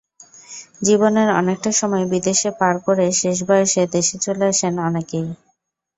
জীবনের অনেকটা সময় বিদেশে পার করে শেষ বয়সে দেশে চলে আসেন অনেকেই।